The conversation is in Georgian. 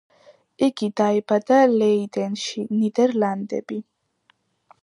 იგი დაიბადა ლეიდენში, ნიდერლანდები.